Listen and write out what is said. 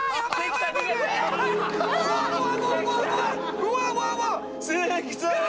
うわ！